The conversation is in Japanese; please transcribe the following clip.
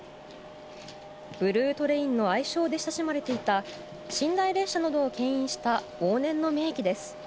「ブルートレイン」の愛称で親しまれていた寝台列車などを牽引した往年の名機です。